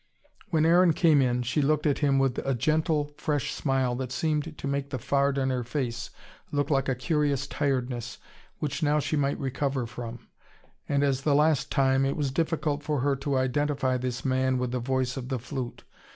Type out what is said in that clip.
When Aaron came in, she looked at him with a gentle, fresh smile that seemed to make the fard on her face look like a curious tiredness, which now she might recover from. And as the last time, it was difficult for her to identify this man with the voice of the flute.